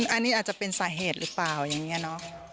อันนี้อาจจะเป็นสาเหตุหรือเปล่าอย่างนี้เนอะ